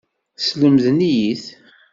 Slemden-iyi-t.